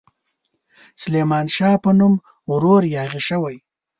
سلیمان شاه په نوم ورور یاغي شوی.